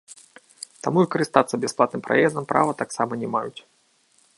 Таму і карыстацца бясплатным праездам права таксама не маюць.